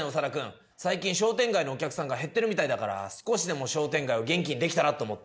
最近商店街のお客さんが減ってるみたいだから少しでも商店街を元気にできたらと思って。